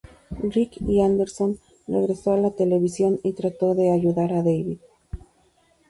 Ric y Anderson regresó a la televisión y trató de ayudar a David.